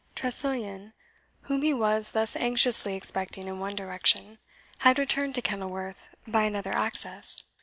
Tressilian, whom he was thus anxiously expecting in one direction, had returned to Kenilworth by another access.